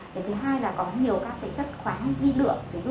điểm thứ hai là có nhiều các chất khoáng vi lượng